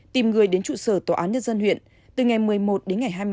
tìm người đến trụ sở tòa án nhân dân huyện từ ngày một mươi một đến ngày hai mươi bốn tháng một mươi